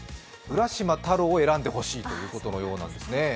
浦島太郎を選んでほしいということなんですね。